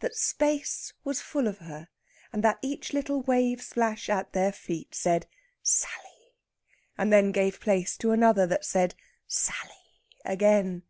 That space was full of her, and that each little wave splash at their feet said "Sally," and then gave place to another that said "Sally" again.